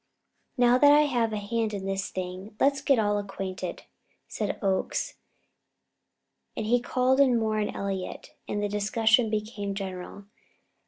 "Now that I have a hand in this thing, let's all get acquainted," said Oakes; and he called in Moore and Elliott, and the discussion became general.